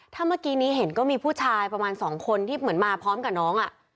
ถ้าเมื่อกี้นี้เห็นก็มีผู้ชายประมาณ๒คนที่เหมือนมาพร้อมกับน้อง